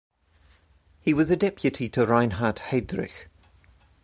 He was a deputy to Reinhard Heydrich.